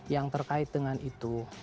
yang terkait dengan itu